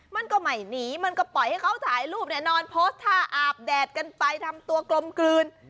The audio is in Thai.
มันก็ไม่หนีมันก็ปล่อยให้เขาถ่ายรูปเนี่ยนอนโพสต์ท่าอาบแดดกันไปทำตัวกลมกลืน